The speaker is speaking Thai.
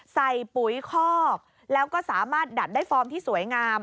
ปุ๋ยคอกแล้วก็สามารถดัดได้ฟอร์มที่สวยงาม